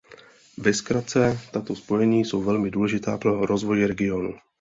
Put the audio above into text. Ve zkratce, tato spojení jsou velmi důležitá pro rozvoj regionu.